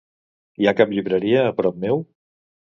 Hi ha cap llibreria a prop meu?